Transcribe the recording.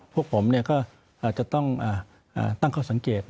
พวกผมก็อาจจะต้องตั้งข้อสังเกต